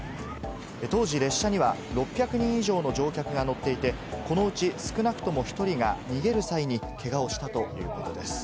当時、列車には６００人以上の乗客が乗っていて、このうち少なくとも１人が逃げる際にけがをしたということです。